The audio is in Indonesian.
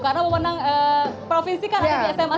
karena menang provinsi kan ada sma